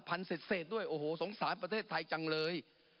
เสร็จด้วยโอ้โหสงสารประเทศไทยจังเลย